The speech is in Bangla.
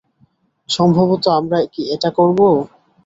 সম্ভাবত আমরা কি এটা করব?